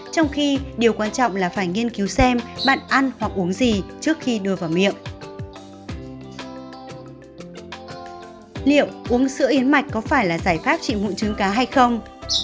trong khi điều quan trọng là phải nghiên cứu xem bạn ăn hoặc uống gì trước khi đưa vào miệng